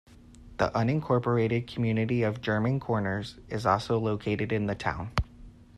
The unincorporated community of German Corners is also located in the town.